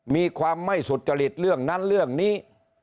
มีความไม่สุจริตเรื่องนั้นเรื่องนี้